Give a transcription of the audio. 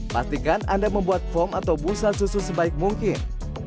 pastikan anda membuat foam atau busa susu sebaik mungkin